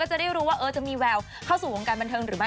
จะได้รู้ว่าจะมีแววเข้าสู่วงการบันเทิงหรือไม่